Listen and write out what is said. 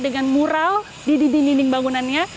dengan mural di dinding dinding bangunannya